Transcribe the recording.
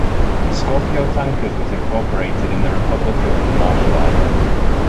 Scorpio Tankers was incorporated in the Republic of the Marshall Islands.